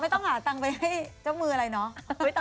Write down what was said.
ต้องหาตังค์ไปให้เจ้ามืออะไรเนาะ